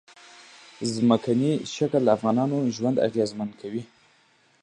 ځمکنی شکل د افغانانو ژوند اغېزمن کوي.